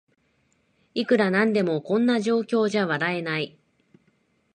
いくらなんでもこんな状況じゃ笑えない